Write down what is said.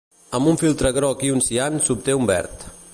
Amb un filtre groc i un cian s'obté un verd.